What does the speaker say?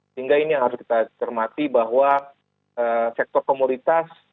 sehingga ini yang harus kita cermati bahwa sektor komoditas